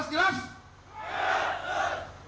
pengadilan tinggi tata usaha